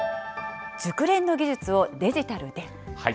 熟練の技術をデジタルで。